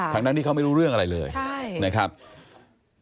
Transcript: ทั้งนี้เขาไม่รู้เรื่องอะไรเลยนะครับค่ะใช่